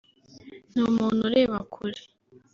ni umuntu ureba kure